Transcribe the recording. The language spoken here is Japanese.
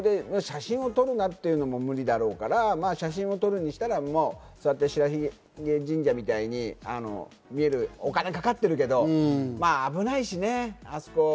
あそこで写真を撮るんだっていうのも無理だろうし、写真を撮るにしたら白鬚神社みたいにお金かかってるけど危ないしね。